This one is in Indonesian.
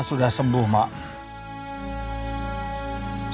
cara aja memadukan